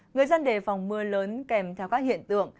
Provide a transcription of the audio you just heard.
người dân đề phòng mưa lớn kèm theo các hiện tượng